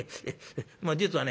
まあ実はね